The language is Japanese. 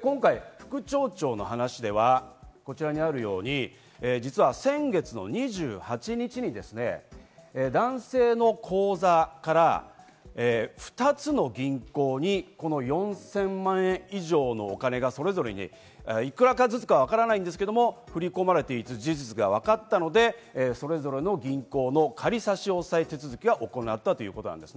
今回、副町長の話ではこちらにあるように、実は先月２８日に男性の口座から２つの銀行に４０００万円以上のお金がそれぞれにいくらかずつかわからないんですけれど、振り込まれていたという事実がわかったので、それぞれの銀行の仮差し押さえ手続きは行ったということです。